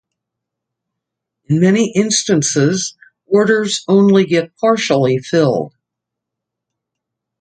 In many instances orders only get partially filled.